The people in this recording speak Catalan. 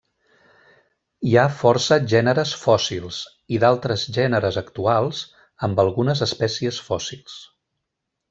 Hi ha força gèneres fòssils, i d'altres gèneres actuals amb algunes espècies fòssils.